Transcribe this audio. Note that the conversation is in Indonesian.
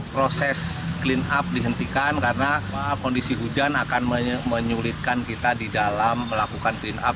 proses clean up dihentikan karena kondisi hujan akan menyulitkan kita di dalam melakukan clean up